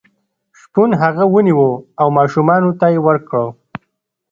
شپون هغه ونیو او ماشومانو ته یې ورکړ.